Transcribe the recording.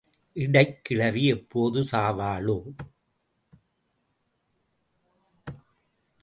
இடைக் கிழவி எப்போது சாவாளோ?